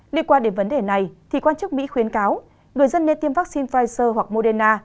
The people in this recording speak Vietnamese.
liên quan đến vấn đề này thì quan chức mỹ khuyến cáo người dân nên tiêm vaccine pfizer hoặc moderna